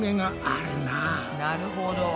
なるほど。